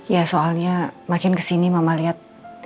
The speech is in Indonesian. ya soalnya makin kesini mama lihat